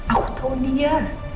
aku tau dia